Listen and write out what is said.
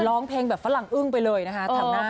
ร้องเพลงแบบฝรั่งอึ้งไปเลยนะคะ